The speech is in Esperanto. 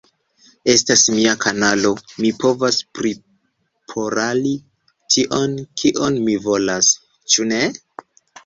Estas mia kanalo, mi povas priporali tion, kion mi volas. Ĉu ne?